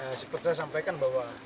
karena seperti saya sampaikan bahwa